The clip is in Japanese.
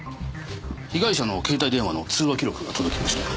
被害者の携帯電話の通話記録が届きました。